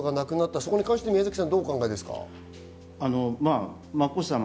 そこに関してどうお考えですか？